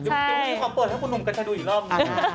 มีความเปิดให้คุณหนุ่มกระจายดูอีกรอบ